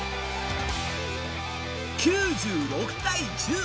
９６対１０。